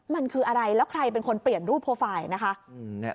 มันคืออะไรแล้วใครเป็นคนเปลี่ยนรูปโปรไฟล์นะคะ